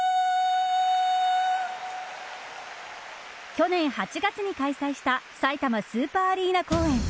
昨年８月に開催したさいたまスーパーアリーナ公演。